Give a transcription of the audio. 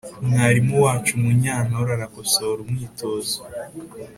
mwarimu wacu munyantore arakosora umwitozo